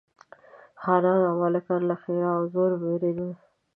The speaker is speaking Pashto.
خانان او ملکان له ښرا او زور بېرېدل.